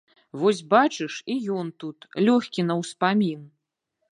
Вось бачыш, і ён тут, лёгкі на ўспамін.